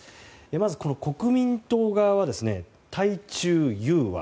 まず国民党側は対中融和。